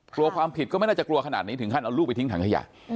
กลัวความผิดก็ไม่น่าจะกลัวขนาดนี้ถึงขั้นเอาลูกไปทิ้งถังขยะ